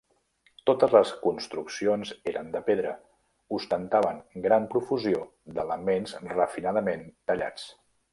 Totes les construccions eren de pedra, ostentaven gran profusió d'elements refinadament tallats.